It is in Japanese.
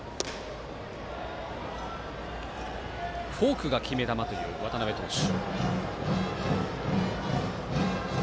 フォークが決め球という渡邊投手。